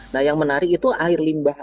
nah yang menarik itu air limbah